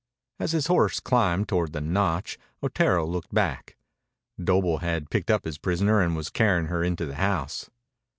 As his horse climbed toward the notch, Otero looked back. Doble had picked up his prisoner and was carrying her into the house.